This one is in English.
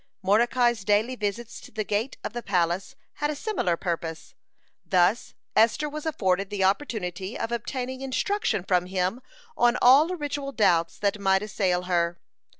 (77) Mordecai's daily visits to the gate of the palace had a similar purpose. Thus Esther was afforded the opportunity of obtaining instruction from him on all ritual doubts that might assail her.